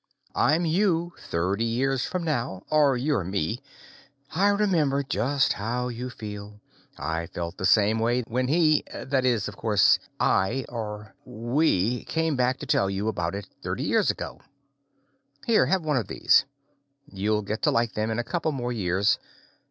I'm you thirty years from now, or you're me. I remember just how you feel; I felt the same way when he that is, of course, I or we came back to tell me about it, thirty years ago. Here, have one of these. You'll get to like them in a couple more years.